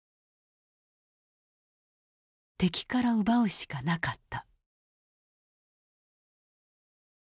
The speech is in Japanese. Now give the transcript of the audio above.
敵から奪うしかなかった。